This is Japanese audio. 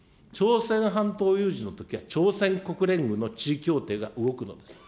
朝鮮半島有事のときは朝鮮国連軍の地位協定が動くのです。